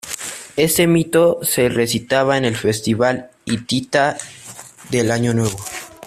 Este mito se recitaba en el Festival hitita del Año Nuevo.